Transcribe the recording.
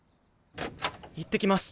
いってきます。